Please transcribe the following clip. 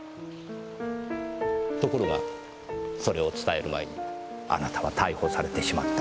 ところがそれを伝える前にあなたは逮捕されてしまった。